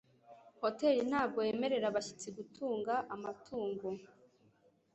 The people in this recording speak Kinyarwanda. Hoteri ntabwo yemerera abashyitsi gutunga amatungo